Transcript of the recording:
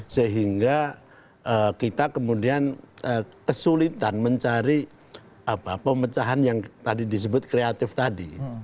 sehingga kita kemudian kesulitan mencari pemecahan yang tadi disebut kreatif tadi